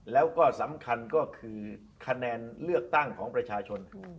แล้วก็สำคัญก็คือคะแนนเลือกตั้งของประชาชน